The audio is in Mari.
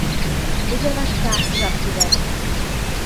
Федя вашка, жап тугай.